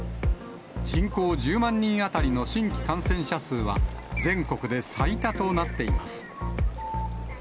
人口１０万人当たりの新規感染者数は、全国で最多となっています。